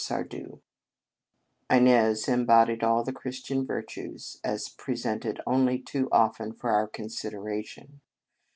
Sardou. Inez embodied all the Christian virtues, as presented only too often for our consideration.